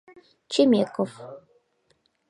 Чемеков.